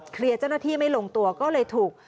เจ้าหน้าที่ไม่ลงตัวก็เลยถูก